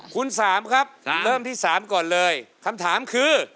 คุณ๓ครับเริ่มที่๓ก่อนเลยคำถามคือ